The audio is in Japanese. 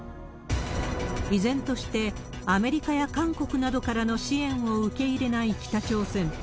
依然としてアメリカや韓国などからの支援を受け入れない北朝鮮。